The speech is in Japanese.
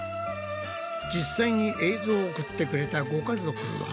実際に映像を送ってくれたご家族は。